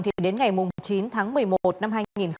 thì đến ngày chín tháng một mươi một năm hai nghìn hai mươi